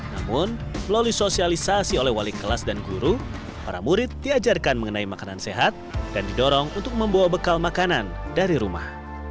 namun melalui sosialisasi oleh wali kelas dan guru para murid diajarkan mengenai makanan sehat dan didorong untuk membawa bekal makanan dari rumah